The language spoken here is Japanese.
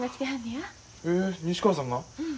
へえ西川さんが？